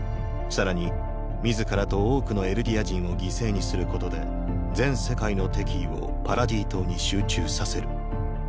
さらに自らと多くのエルディア人を犠牲にすることで全世界の敵意をパラディ島に集中させる。